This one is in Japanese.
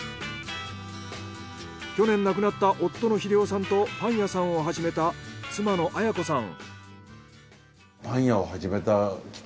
去年亡くなった夫の秀男さんとパン屋さんを始めた妻のアヤ子さん。